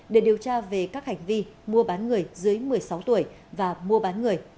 để điều tra về các hành vi mua bán người dưới một mươi sáu tuổi và mua bán người